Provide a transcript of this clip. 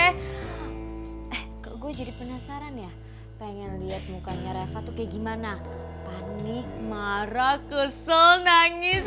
eh gue jadi penasaran ya pengen lihat mukanya reva tuh kayak gimana panik marah kusul nangis